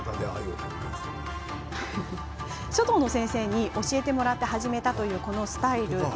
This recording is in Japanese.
書道の先生に教えてもらって始めたというこのスタイル。